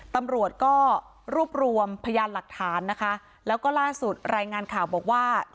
ตำรวจก็รวบรวมพยานหลักฐานนะคะแล้วก็ล่าสุดรายงานข่าวบอกว่า